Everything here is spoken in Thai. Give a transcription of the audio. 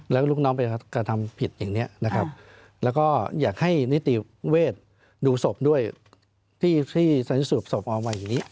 แล้วก็ลูกน้องไปกระทำผิดอย่างนี้นะครับแล้วก็อยากให้นิติเวชดูศพด้วยที่สัญสูบศพเอามาอย่างนี้